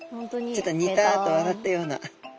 ちょっとニタッと笑ったような。